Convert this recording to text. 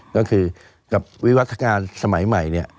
ก็คือกับวิวัฒกาลสมัยใหม่เนี่ย